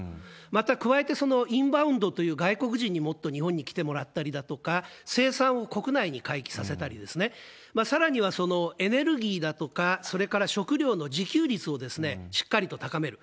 また、加えてインバウンドという外国人にもっと日本に来てもらったりだとか、生産を国内に回帰させたり、さらにはエネルギーだとか、それから食料の自給率をしっかりと高める。